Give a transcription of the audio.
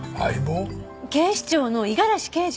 警視庁の五十嵐刑事よ。